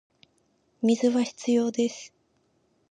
水は必要です